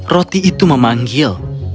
roti itu memanggil